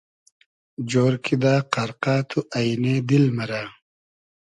جۉر کیدہ قئرقۂ تو اݷنې دیل مئرۂ